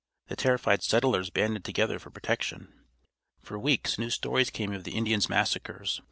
The terrified settlers banded together for protection. For weeks new stories came of the Indians' massacres.